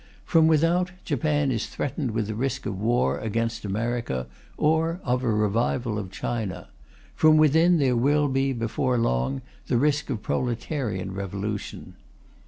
From without, Japan is threatened with the risk of war against America or of a revival of China. From within, there will be, before long, the risk of proletarian revolution.